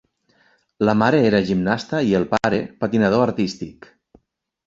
La mare era gimnasta i el pare, patinador artístic.